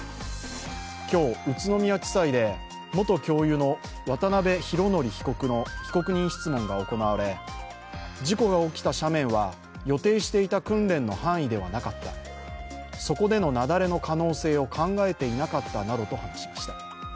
今日、宇都宮地裁で元教諭の渡辺浩典被告の被告人質問が行われ、事故が起きた斜面は予定していた訓練の範囲ではなかった、そこでの雪崩の可能性を考えていなかったなどと話しました。